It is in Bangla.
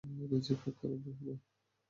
নিজেই প্যাক করে নেব।